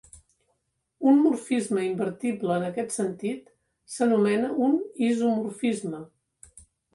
Un morfisme invertible en aquest sentit s'anomena un isomorfisme.